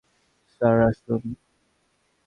Sir, আসুন।